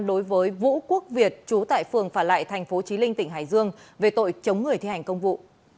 đối với vũ quốc việt chú tại phường phản lại tp chí linh tỉnh hải dương về tội chống người thi hành công vụ